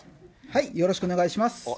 よろしくお願いします。